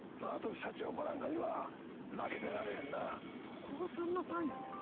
どこがさんまさんやねん。